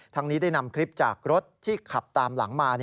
นี้ได้นำคลิปจากรถที่ขับตามหลังมา